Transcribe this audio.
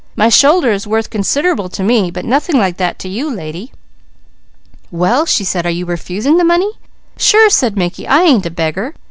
"My shoulder is worth considerable to me; but nothing like that to you, lady!" "Well!" she said. "Are you refusing the money?" "Sure!" said Mickey. "I ain't a beggar!